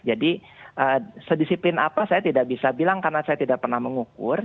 sedisiplin apa saya tidak bisa bilang karena saya tidak pernah mengukur